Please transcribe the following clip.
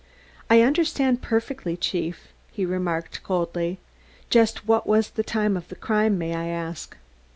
"I understand perfectly, Chief," he remarked coldly. "Just what was the time of the crime, may I ask?"